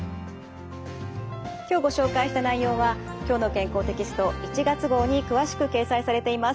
今日ご紹介した内容は「きょうの健康」テキスト１月号に詳しく掲載されています。